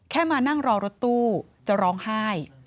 มานั่งรอรถตู้จะร้องไห้